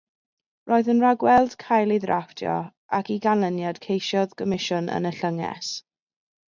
Roedd yn rhagweld cael ei ddrafftio ac i ganlyniad ceisiodd gomisiwn yn y llynges.